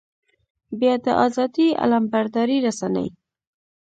بيا د ازادۍ علمبردارې رسنۍ.